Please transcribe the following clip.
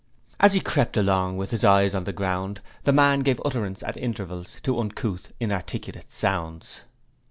As he crept along with his eyes on the ground, the man gave utterance at intervals to uncouth, inarticulate sounds.